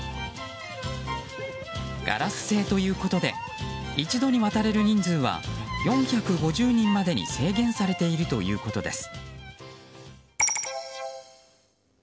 ガラス製ということで一度に渡れる人数は４５０人までに制限されているということです。